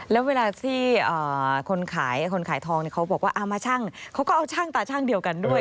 แล้วเวลาที่คนขายทองเขาบอกว่ามาชั่งเขาก็เอาชั่งตาชั่งเดียวกันด้วย